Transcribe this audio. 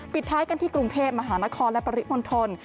ท้ายกันที่กรุงเทพมหานครและปริมณฑล